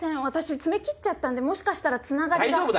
私爪切っちゃったんでもしかしたらつながりが。